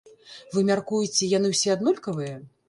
Вы мяркуеце, яны ўсе аднолькавыя?